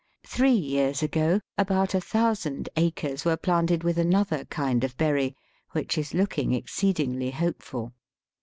Three years ago, about a thousand acres were planted with another kind of berry, which is looking exceedingly hopeful.